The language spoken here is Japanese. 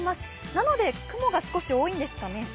なので雲が少し多いんですかね？